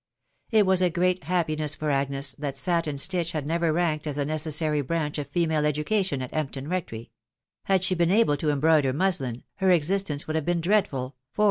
It was a great happiness for Agnes that satin stitch had never xanked as a necessary "branch of female education at Empton Rectory; had she been able to embroider mustin, her existence would have been dreadful, for